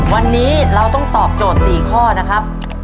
วันนี้เราต้องตอบโจทย์๔ข้อนะครับ